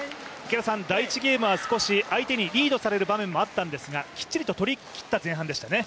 第１ゲームは少し相手にリードされる場面もありましたがきっちりと取り切った前半でしたよね。